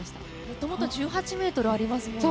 もともと１８ｍありますもんね。